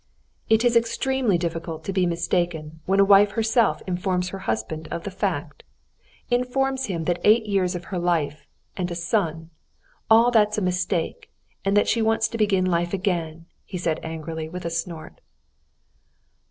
"It is extremely difficult to be mistaken when a wife herself informs her husband of the fact—informs him that eight years of her life, and a son, all that's a mistake, and that she wants to begin life again," he said angrily, with a snort.